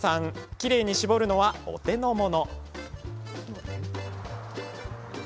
きれいに絞るのはお手の物。